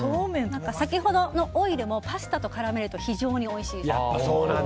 先ほどのオイルもパスタと絡めると非常においしいと。